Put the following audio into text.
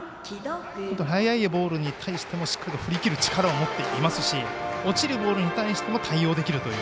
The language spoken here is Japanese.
速いボールに対してもしっかりと振り切る力を持っていますし落ちるボールに対しても対応できるという。